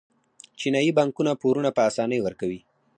چینايي بانکونه پورونه په اسانۍ ورکوي.